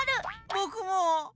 ぼくも。